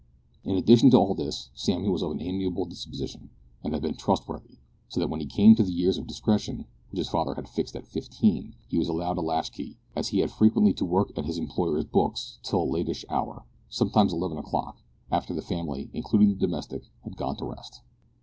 In addition to all this, Sammy was of an amiable disposition, and had been trustworthy, so that when he came to the years of discretion which his father had fixed at fifteen he was allowed a latch key, as he had frequently to work at his employer's books till a lateish hour, sometimes eleven o'clock after the family, including the domestic, had gone to rest.